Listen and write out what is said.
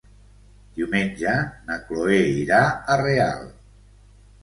Diumenge na Cloè irà a Real.